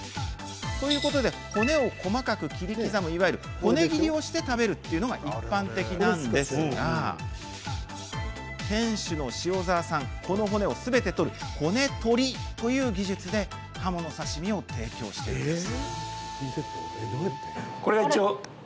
骨を細かく切り刻むいわゆる骨切りをして食べるのが一般的なんですが店主の塩沢さんは、この骨をすべて取る骨取りという技術でハモの刺身を提供しているんです。